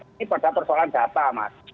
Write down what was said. ini pada persoalan data mas